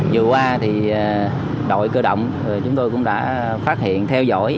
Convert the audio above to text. vừa qua thì đội cơ động chúng tôi cũng đã phát hiện theo dõi